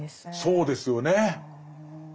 そうですよね。